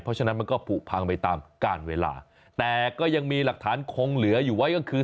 เพราะฉะนั้นมันก็ผูกพังไปตามการเวลาแต่ก็ยังมีหลักฐานคงเหลืออยู่ไว้ก็คือ